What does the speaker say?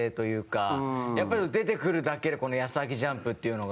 やっぱり出てくるだけでこの康晃ジャンプっていうのが。